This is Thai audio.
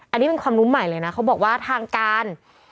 อันนี้เป็นความรู้ใหม่เลยนะเขาบอกว่าทางการ